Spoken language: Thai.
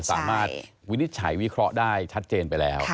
วินิจฉัยวิเคราะห์ได้ชัดเจนไปแล้ว